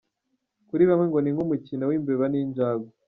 Kuri bamwe ngo ni nk’umukino w’imbeba n’injangwe.